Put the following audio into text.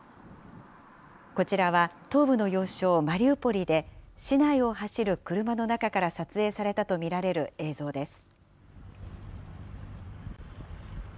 こちらは東部の要衝マリウポリで、市内を走る車の中から撮影されたと見られる映像です。